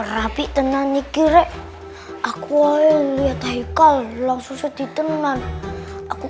rapi tenang jakirek aku banget haikal langsung jadiasalamu'alaikum